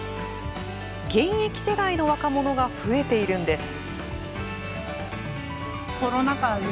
現役世代の若者が増えているんです。